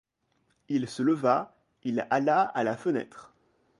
Il se leva, il alla à la fenêtre.